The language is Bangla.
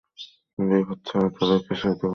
বিপদ ছাড়া তাদের কিছুই দেবার নেই আমার।